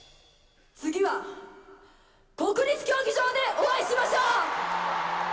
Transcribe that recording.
次は、国立競技場でお会いしましょう。